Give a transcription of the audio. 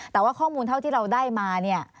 แต่ว่าข้อมูลเท่าที่เราได้มาเนี่ย